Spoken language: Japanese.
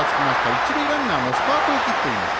一塁ランナーもスタートを切っていました。